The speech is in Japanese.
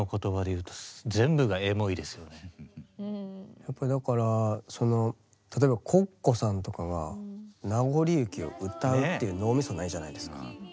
やっぱりだからその例えばＣｏｃｃｏさんとかが「なごり雪」を歌うっていう脳みそないじゃないですか。